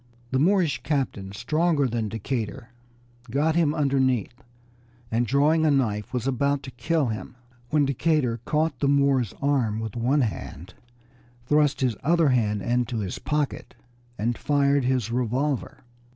The Moorish captain, stronger than Decatur, got him underneath, and drawing a knife, was about to kill him, when Decatur caught the Moor's arm with one hand, thrust his other hand into his pocket, and fired his revolver.